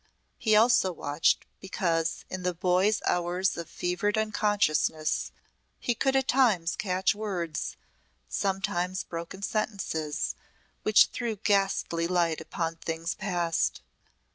He also watched because in the boy's hours of fevered unconsciousness he could at times catch words sometimes broken sentences, which threw ghastly light upon things past.